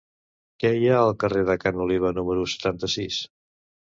Què hi ha al carrer de Ca n'Oliva número setanta-sis?